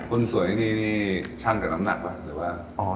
คนสวนนี้มีช่างจากน้ำหนักเหรอ